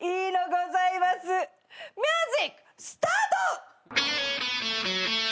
ミュージックスタート！